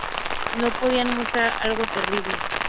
No podían mostrar algo tan terrible.